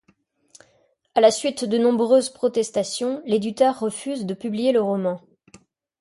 À la suite de nombreuses protestations, l'éditeur refuse de publier le roman.